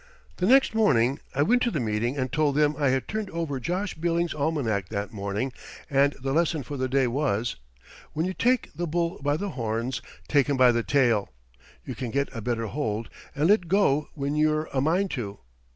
"The next morning I went to the meeting and told them I had turned over Josh Billings's almanac that morning and the lesson for the day was: 'When you take the bull by the horns, take him by the tail; you can get a better hold and let go when you're a mind to.'